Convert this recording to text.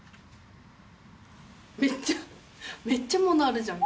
めっちゃめっちゃ物あるじゃん。